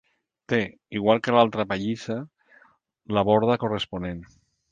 Té, igual que l'altra pallissa, la borda corresponent.